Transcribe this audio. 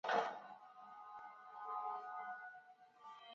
郑昭还娶了努的一个女儿为妃子。